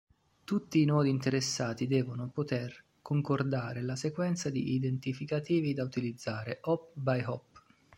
Tutti i nodi interessati devono poter concordare la sequenza di identificativi da utilizzare "hop-by-hop".